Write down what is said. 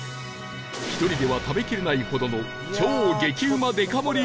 １人では食べきれないほどの超激うまデカ盛り